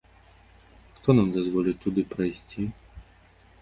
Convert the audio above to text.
Хто нам дазволіць туды прайсці?